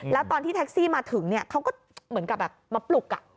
แล้วตอนที่แท็กซี่มาถึงเขาก็เหมือนกับแบบมาปลุก